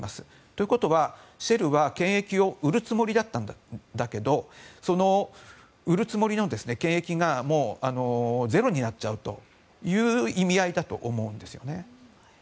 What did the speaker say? ということは、シェルは権益を売るつもりだったんだけどその売るつもりの権益がもうゼロになっちゃうという意味合いだと思うんです。